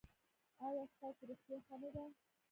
ایا ستاسو روغتیا ښه نه ده؟